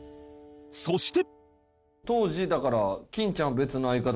そして